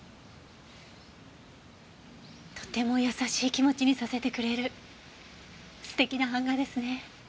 とても優しい気持ちにさせてくれる素敵な版画ですね。